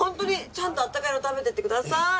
ちゃんとあったかいの食べてってください。